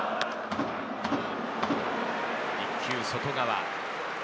１球、外側。